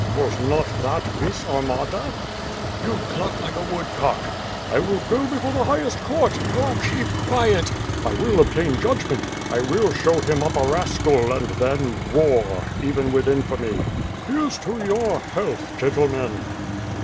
Was not that vis armatat" "You cluck like a woodcock." "I will go before the highest court." "Oh keep quiet." "I will obtain judgment. I will show him up as a rascal, and then war — even with infamy." "Here's to your health, gentlemen."